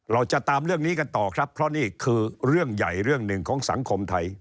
เราจะตามเรื่องนี้กันต่อครับเพราะนี่คือเรื่องใหญ่เรื่องหนึ่งของสังคมไทย